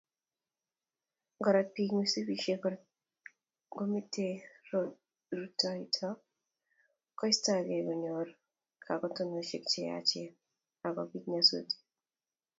Ngorat biik msipisyek ngomitei rutoito koistoegee konyoor kagotonosyek cheyachen angobiit nyasutiik.